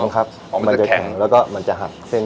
แข็งครับ